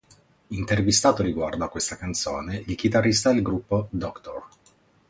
Intervistato riguardo a questa canzone, il chitarrista del gruppo Dr.